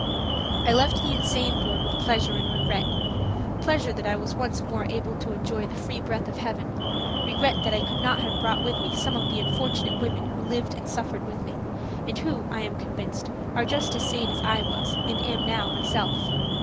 I left the insane ward with pleasure and regret–pleasure that I was once more able to enjoy the free breath of heaven; regret that I could not have brought with me some of the unfortunate women who lived and suffered with me, and who, I am convinced, are just as sane as I was and am now myself.